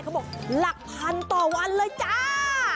บอกหลักพันต่อวันเลยจ้า